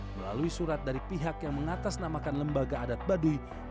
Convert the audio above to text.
melalui surat dari pihak yang mengatasnamakan lembaga adat baduy